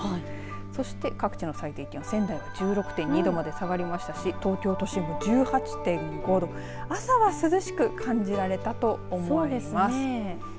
そして各地の最低気温仙台が１６．２度まで下がりましたし東京都心も１８．５度朝は涼しく感じられたと思います。